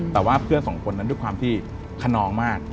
แต่ว่าเพื่อนสองคนนั้นด้วยความที่ขนองมาก